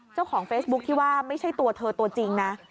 เจ้าของเฟซบุ๊คที่ว่าไม่ใช่ตัวเธอตัวจริงนะ